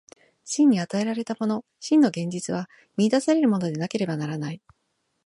真に与えられたもの、真の現実は見出されるものでなければならない。